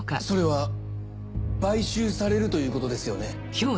それは買収されるということですよね？